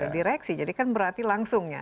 direksi jadi kan berarti langsungnya